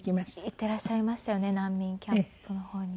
行ってらっしゃいましたよね難民キャンプの方に。